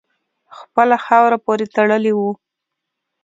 خپله خاوره پوري تړلی وو.